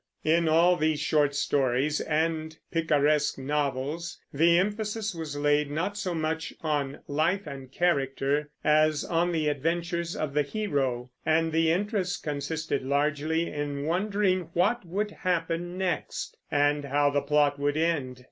In all these short stories and picaresque novels the emphasis was laid not so much on life and character as on the adventures of the hero; and the interest consisted largely in wondering what would happen next, and how the plot would end.